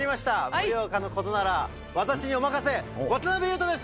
盛岡のことなら私にお任せ、渡辺裕太です。